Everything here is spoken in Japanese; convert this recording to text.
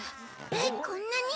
えっこんなに？